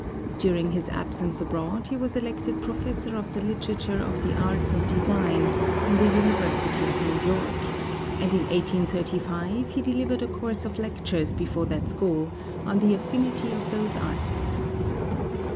During his absence abroad he was elected Professor of the literature of the Arts of Design in the University of New York; and in 1835 he delivered a course of lectures before that school on the affinity of those arts.